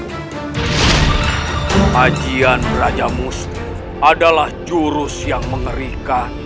hajian raja musti adalah jurus yang mengerikan